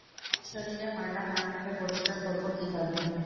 শরীরে ময়লা না থাকলে পরিস্কার করব কিভাবে?